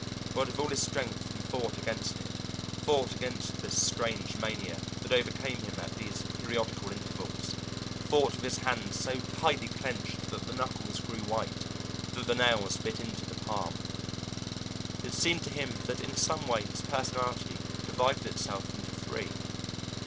But with all his strength he fought against it, fought against this strange mania, that overcame him at these periodical intervals fought with his hands so tightly clenched that the knuckles grew white, that the nails bit into the palm. It seemed to him that in some way his personality divided itself into three.